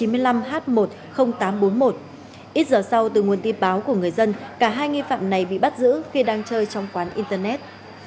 ít giờ sau từ nguồn tin báo của người dân cả hai nghi phạm này bị bắt giữ khi đang chơi trong quán internet